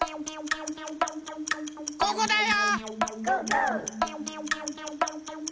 ここだよ！